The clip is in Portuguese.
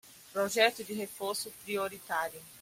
Projeto de reforço prioritário